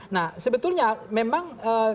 nah sebetulnya memang